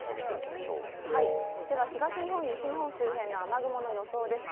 では東日本、西日本周辺の雨雲の予想です。